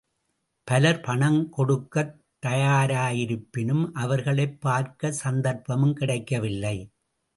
பலர் பணம் கொடுக்கத் தயாராயிருப்பினும், அவர்களைப் பார்க்கச் சந்தர்ப்பம் கிடைக்கவில்லை.